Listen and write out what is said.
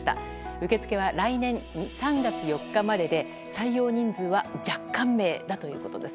受け付けは来年３月４日までで採用人数は若干名だということです。